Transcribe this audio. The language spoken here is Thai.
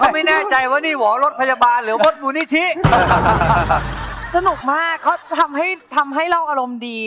แม้หัวเราลองเอาฆ่าอารมณ์ยิงมาก